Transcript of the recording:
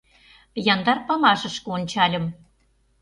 Яндар памашышке ончальым.